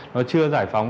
nó chưa giải phóng